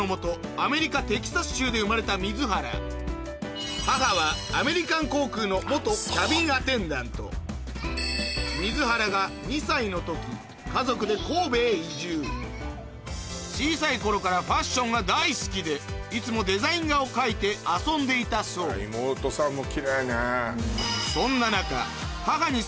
アメリカテキサス州で生まれた水原母は水原が２歳の時家族で神戸へ移住小さい頃からファッションが大好きでいつもデザイン画を描いて遊んでいたそうそんな中母に勧められた